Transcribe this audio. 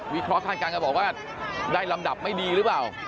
วิทยอสคาดการณ์ก็บอกว่าได้ลำดับไม่ดีหรือเปล่า